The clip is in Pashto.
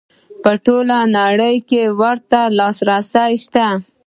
په ټوله نړۍ کې ورته لاسرسی شته.